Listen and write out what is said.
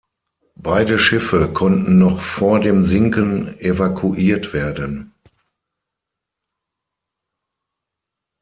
Beide Schiffe konnten noch vor dem Sinken evakuiert werden.